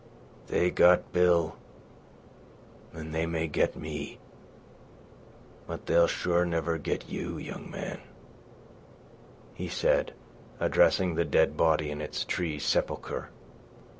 "They got Bill, an' they may get me, but they'll sure never get you, young man," he said, addressing the dead body in its tree sepulchre.